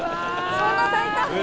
そんな大胆に？